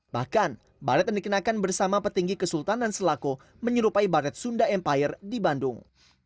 bahkan barat yang dikenakan bersama petinggi kesultan dan selako menyerupai barat sunda empire di bandung